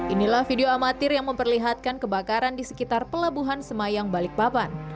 inilah video amatir yang memperlihatkan kebakaran di sekitar pelabuhan semayang balikpapan